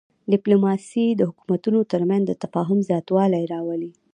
ډیپلوماسي د حکومتونو ترمنځ د تفاهم زیاتوالی راولي.